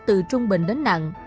từ trung bình đến nặng